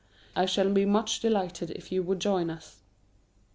I shall be much delighted if you would join us.